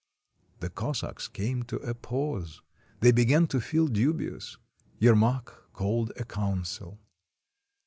The Cossacks came to a pause. They began to feel dubious. Yermak called a council.